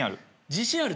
自信ある？